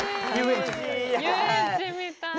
遊園地みたいな。